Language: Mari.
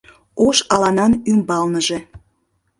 Ош аланан ӱмбалныже